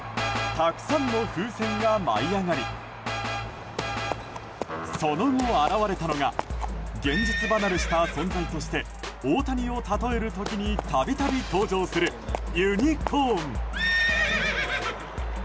たくさんの風船が舞い上がりその後、現れたのが現実離れした存在として大谷を例える時に度々、登場するユニコーン。